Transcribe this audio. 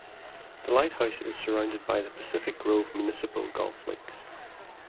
The lighthouse is surrounded by the Pacific Grove Municipal Golf Links.